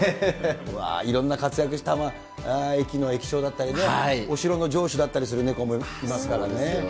いろんな活躍、駅の駅長だったりね、お城の城主だったりするネコもいますからね。